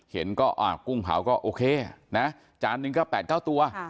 เห็นก็กุ้งเผาก็โอเคนะจานหนึ่งก็๘๙ตัว